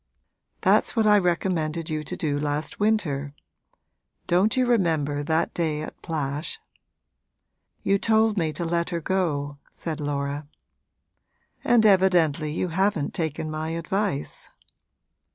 'That's what I recommended you to do last winter. Don't you remember that day at Plash?' 'You told me to let her go,' said Laura. 'And evidently you haven't taken my advice.'